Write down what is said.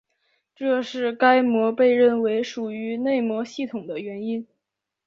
这是核膜被认为属于内膜系统的原因。